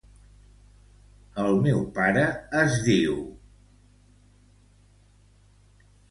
El meu pare es diu Javier Amaya: a, ema, a, i grega, a.